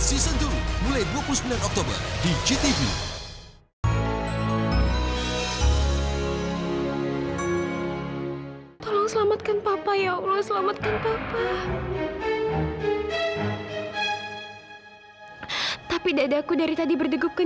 ismo star indonesia season dua mulai dua puluh sembilan oktober di gtv